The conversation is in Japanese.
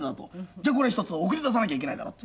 「じゃあこれはひとつ送り出さなきゃいけないだろ」と。